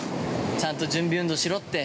ちゃんと準備運動しろって。